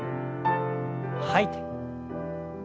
吐いて。